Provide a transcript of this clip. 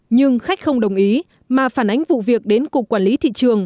nhưng khách không đồng ý mà phản ánh vụ việc đến cục quản lý thị trường